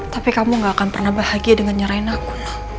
tapi kamu gak akan pernah bahagia dengan nyerahin aku